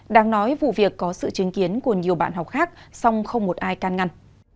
đáng nói vụ việc có sự chứng kiến của nhiều bạn học khác song không một ai can ngăn